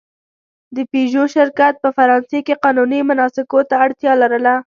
د پيژو شرکت په فرانسې کې قانوني مناسکو ته اړتیا لرله.